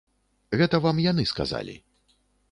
Гэта вам яны сказалі.